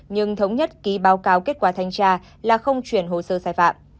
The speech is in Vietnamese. nhưng thống nhất ký báo cáo kết quả thanh tra là không chuyển hồ sơ sai phạm